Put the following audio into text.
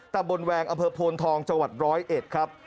ตำบลแวงอำเภอโพนทองจังหวัดร้อยเอ็ดครับ